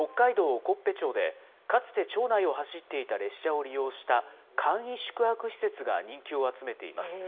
興部町で、かつて町内を走っていた列車を利用した簡易宿泊施設が人気を集めています。